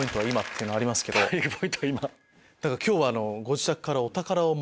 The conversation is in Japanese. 今日は。